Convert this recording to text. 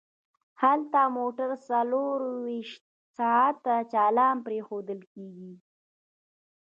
هلته موټر څلور ویشت ساعته چالان پریښودل کیږي